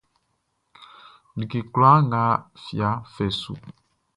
Like kloi nʼga fia fai su.